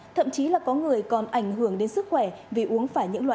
thậm chí là có người còn ảnh hưởng đến sức khỏe vì uống phải những loại